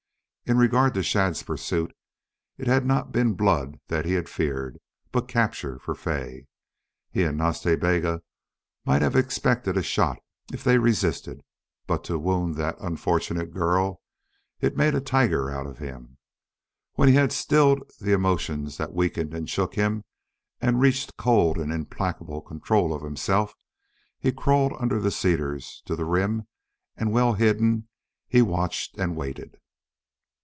In regard to Shadd's pursuit, it had not been blood that he had feared, but capture for Fay. He and Nas Ta Bega might have expected a shot if they resisted, but to wound that unfortunate girl it made a tiger out of him. When he had stilled the emotions that weakened and shook him and reached cold and implacable control of himself, he crawled under the cedars to the rim and, well hidden, he watched and waited.